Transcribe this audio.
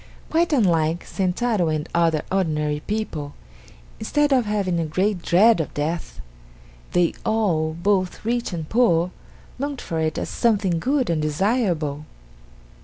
Quite unlike Sentaro and other ordinary people, instead of having a great dread of death, they all, both rich and poor, longed for it as something good and desirable.